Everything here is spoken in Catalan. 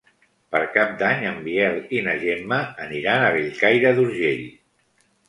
Per Cap d'Any en Biel i na Gemma aniran a Bellcaire d'Urgell.